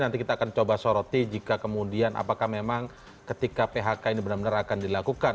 nanti kita akan coba soroti jika kemudian apakah memang ketika phk ini benar benar akan dilakukan